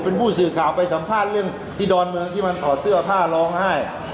เป็นผู้สื่อข่าวไปสัมภาษณ์เรื่องที่ดอนเมืองที่มันถอดเสื้อผ้าร้องไห้